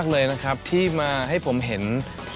การปรักแบบนี้คือคุณก้ามปรักผ้ามาสักพัก